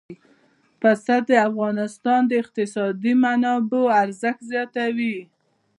پسه د افغانستان د اقتصادي منابعو ارزښت زیاتوي.